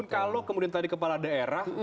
kalau kemudian tadi kepala daerah